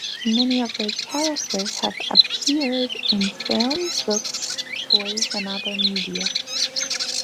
Many of their characters have appeared in film, books, toys, and other media.